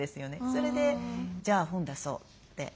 それでじゃあ本出そうって。